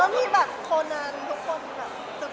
นี่ว่าคนทั้งคนซึบ